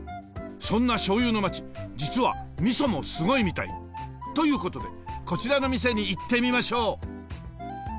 そんな醤油の町実はみそもすごいみたい。という事でこちらの店に行ってみましょう。